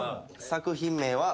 作品名は。